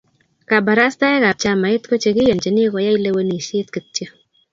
kabarastaekab chamait ko che kiyonchini koyai kalewenisiet kityo.